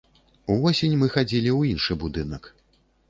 Увосень мы хадзілі ў іншы будынак.